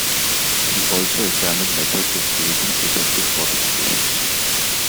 He also examined methods of creating effective fortifications.